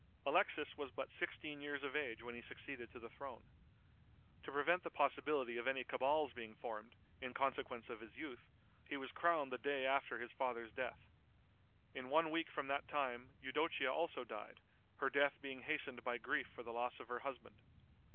Alexis was but sixteen years of age when he succeeded to the throne. To prevent the possibility of any cabals being formed, in consequence of his youth, he was crowned the day after his father's death. In one week from that time Eudocia also died, her death being hastened by grief for the loss of her husband.